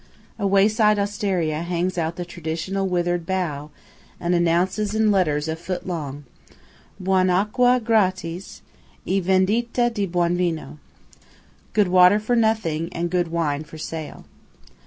A wayside osteria hangs out the traditional withered bough, and announces in letters a foot long:–"Buon Acqua gratis, e Vendita di Buon Vino" (Good Water for nothing and Good Wine for sale).